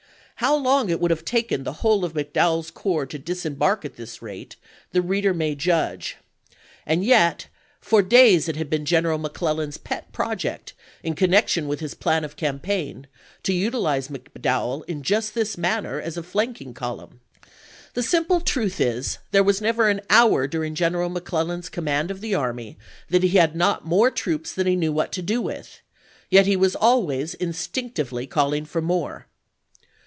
.. How Ion git would have taken the whole of McDowell's corps to disembark at this rate ... the reader may judge ; and yet for days it 366 ABKAHAM LINCOLN Chap. XX. Webb, "The Pen insula," pp. 61, 62. 1862. W. R. Vol. XI. Part I., p. 406. had been General McClellan's pet project, in connection with his plan of campaign, to utilize McDowell in just this manner as a flanking column. The simple truth is, there was never an hour during General McClellan's command of the army that he had not more troops than he knew what to do with; yet he was always instinctively calling for more.